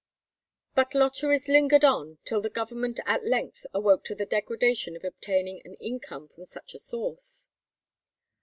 But lotteries lingered on till the Government at length awoke to the degradation of obtaining an income from such a source.